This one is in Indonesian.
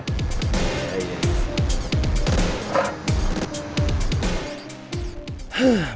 tidak ada yang bisa dipercaya